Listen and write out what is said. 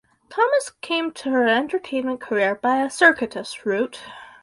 Thomas came to her entertainment career by a circuitous route.